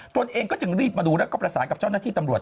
ตัวเองก็จึงรีบมาดูแล้วก็ประสานกับเจ้าหน้าที่ตำรวจ